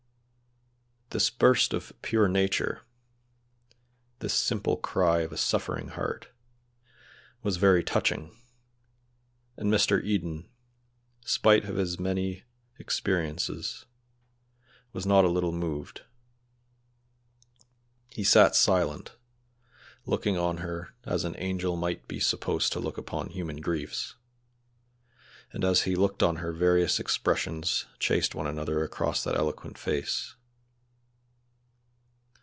This burst of pure Nature this simple cry of a suffering heart was very touching, and Mr. Eden, spite of his many experiences, was not a little moved. He sat silent, looking on her as an angel might be supposed to look upon human griefs, and as he looked on her various expressions chased one another across that eloquent face.